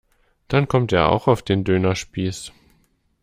Dann kommt er auch auf den Dönerspieß.